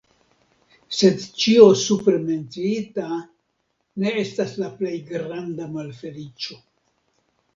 Sed ĉio supre menciita ne estas la plej granda malfeliĉo.